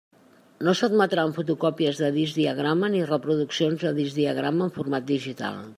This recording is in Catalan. No s'admetran fotocòpies de discs diagrama ni reproduccions de discs diagrama en format digital.